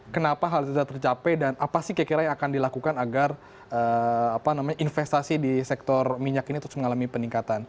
kenapa hal itu bisa tercapai dan apa sih kira kira yang akan dilakukan agar investasi di sektor minyak ini terus mengalami peningkatan